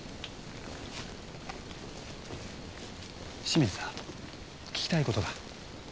清水さん聞きたい事が。